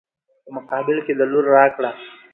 په مقابل کې د لور راکړه.